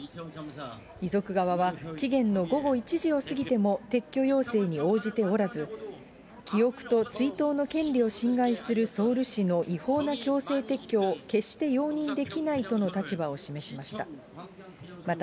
遺族側は、期限の午後１時を過ぎても撤去要請に応じておらず、記憶と追悼の権利を侵害するソウル市の違法な強制撤去を、決して容認できないとの立場を示しました。